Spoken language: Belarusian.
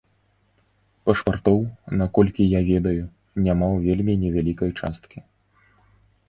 Пашпартоў, наколькі я ведаю, няма ў вельмі невялікай часткі.